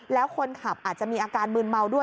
แล้วคนขับอาจจะมีอาการมืนเมาด้วย